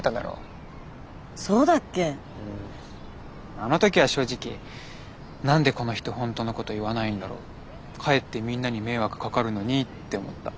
あの時は正直何でこの人本当のこと言わないんだろかえってみんなに迷惑かかるのにって思った。